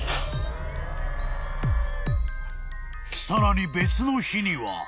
［さらに別の日には］